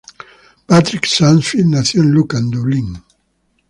Patrick Sarsfield nació en Lucan, Dublín.